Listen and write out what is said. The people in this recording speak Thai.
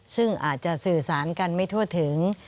ซึ่งอาจจะสื่อสารกันไม่ทั่วถึง